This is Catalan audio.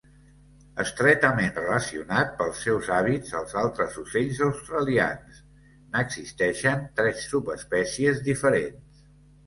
Estretament relacionat pels seus hàbits als altres ocells australians, n'existeixen tres subespècies diferents.